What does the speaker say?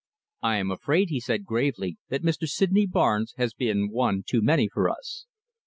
"I am afraid," he said gravely, "that Mr. Sydney Barnes has been one too many for us."